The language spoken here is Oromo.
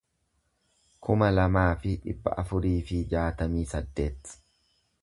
kuma lamaa fi dhibba afurii fi jaatamii saddeet